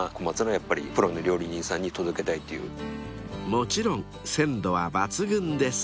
［もちろん鮮度は抜群です］